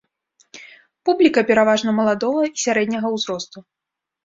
Публіка пераважна маладога і сярэдняга ўзросту.